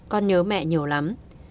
con nhớ mẹ nhiều lắm